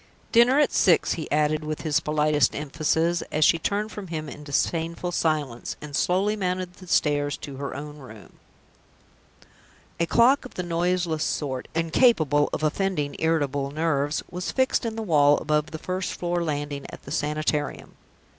"Dinner at six," he added, with his politest emphasis, as she turned from him in disdainful silence, and slowly mounted the stairs to her own room. A clock of the noiseless sort incapable of offending irritable nerves was fixed in the wall, above the first floor landing, at the Sanitarium.